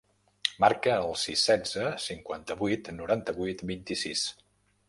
Marca el sis, setze, cinquanta-vuit, noranta-vuit, vint-i-sis.